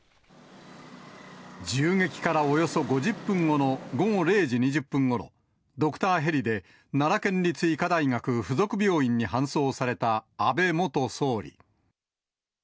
銃撃からおよそ５０分後の午後０時２０分ごろ、ドクターヘリで奈良県立医科大学附属病院に搬送された安倍元総理。